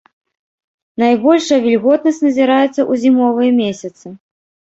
Найбольшая вільготнасць назіраецца ў зімовыя месяцы.